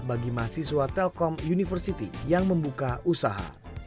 bagi mahasiswa telkom university yang membuka usaha